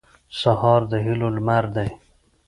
سهار د هیلو لمر دی.